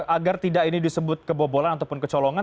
agar tidak ini disebut kebobolan ataupun kecolongan